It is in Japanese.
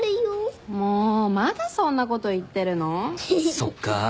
そっか。